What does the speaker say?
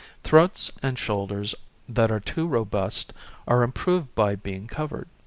Throats and shoulders that are too robust are improved by being covered.